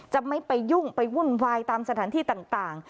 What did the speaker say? จะไม่ไปยุ่งไปวุ่นวายตามสถานที่ต่าง